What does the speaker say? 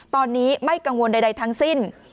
ตอนนี้ไม่กังวลใดทั้งสิ้น